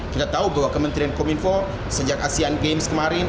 kita tahu bahwa kementerian kominfo sejak asean games kemarin